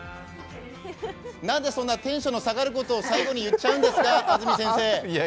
なんでそんなテンションの下がることを最後に言っちゃうんですか、安住先生！